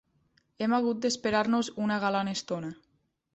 Hem hagut d'esperar-nos una galant estona.